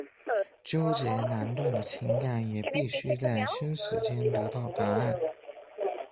纠结难断的情感也必须在生死间得到答案。